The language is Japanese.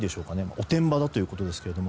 おてんばだということですが。